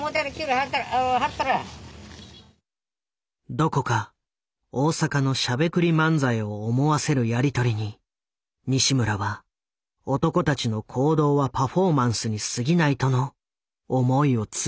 どこか大阪のしゃべくり漫才を思わせるやり取りに西村は「男たちの行動はパフォーマンスにすぎない」との思いを強くした。